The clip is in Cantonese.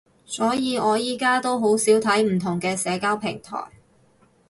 所以我而家都好少睇唔同嘅社交平台